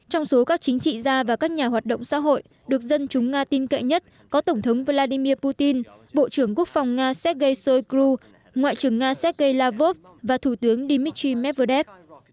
trong số các chính trị gia và các nhà hoạt động xã hội được dân chúng nga tin cậy nhất có tổng thống vladimir putin bộ trưởng quốc phòng nga sergei soi kru ngoại trưởng nga sergei lavrov và thủ tướng dmitry medvedev